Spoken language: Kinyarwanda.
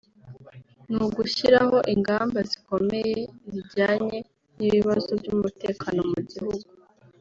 ni ugushyiraho ingamba zikomeye zijyanye n’ibibazo by’umutekano mu gihugu